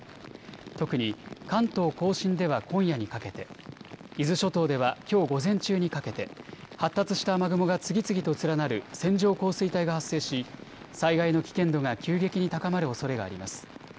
特に関東甲信では今夜にかけて、伊豆諸島ではきょう午前中にかけて発達した雨雲が次々と連なる線状降水帯が発生し災害の危険度が急激に高まるおそれがあります。